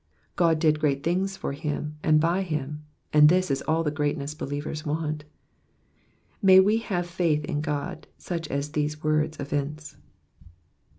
God did gieat things for him, and by him, and this is all the great ness believers want. May we have faith in God, such as these words evince.